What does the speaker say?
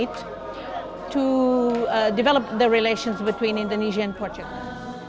untuk membangun hubungan antara indonesia dan portugal